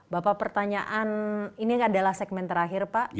bapak pertanyaan ini adalah segmen terakhir pak